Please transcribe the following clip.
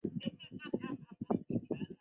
当选热河省承德市邮电局邮电工业劳模。